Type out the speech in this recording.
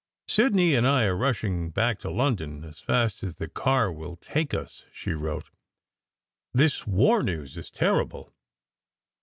"Sid ney and I are rushing back to London as fast as the car will take us," she wrote. "This war news is terrible.